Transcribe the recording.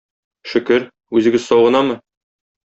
Шөкер, үзегез сау гынамы?